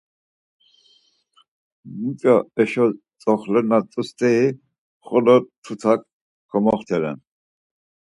Muç̌o eşo tzoxle na rt̆u steri xolo tutak komoxteren.